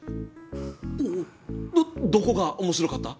どどこが面白かった？